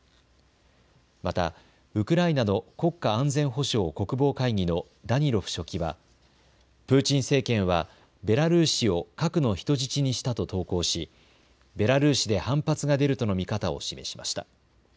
またウクライナの国家安全保障国防会議のダニロフ書記はプーチン政権はベラルーシを核の人質にしたと投稿しベラルーシで反発が出るとの見方を示しました。